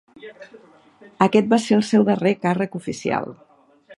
Aquest va ser el seu darrer càrrec oficial.